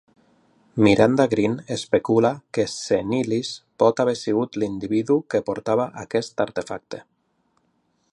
Miranda Green especula que Senilis pot haver sigut l'individu que portava aquest artefacte.